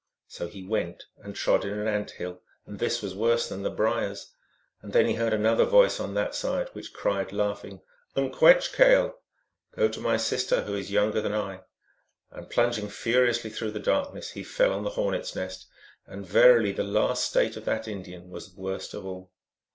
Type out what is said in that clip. " So he went, and trod in an ant hill, and this was worse than the Briers. And then he heard another voice on that side which cried, laughing, " N kwech kale !" (M.), " Go to my sister, who is younger than I." And plunging furiously through the darkness, he fell on the hornet s nest ; and verily the last state of that Indian was worst of all.